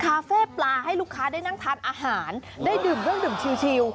คาเฟ่ปลาให้ลูกค้าได้นั่งทานอาหารได้ดื่มเครื่องดื่มชิล